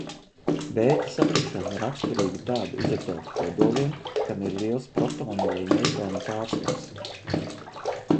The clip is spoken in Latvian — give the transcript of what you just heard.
Bēta sabrukšana raksturīga tādu izotopu kodoliem, kam ir liels protonu vai neitronu pārsvars.